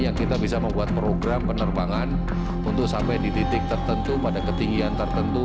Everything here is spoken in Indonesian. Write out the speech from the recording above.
yang kita bisa membuat program penerbangan untuk sampai di titik tertentu pada ketinggian tertentu